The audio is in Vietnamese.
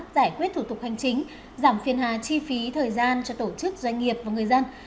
giải quyết thủ tục hành chính giảm phiền hà chi phí thời gian cho tổ chức doanh nghiệp và người dân